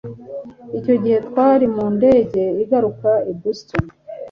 icyo gihe twari mu ndege iguruka i boston